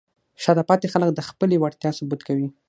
شاته پاتې خلک د خپلې وړتیا ثبوت کوي.